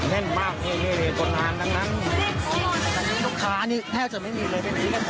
แน่นมากเนี่ยเนี่ยคนตะมานตั้งนั้นตอนนี้ลูกค้านี่แทบจะไม่มีเลย